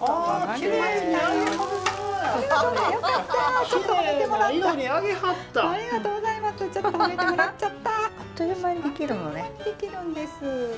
あっという間に出来るんです。